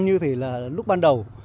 như thế là lúc ban đầu